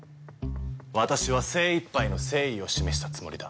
私は精いっぱいの誠意を示したつもりだ。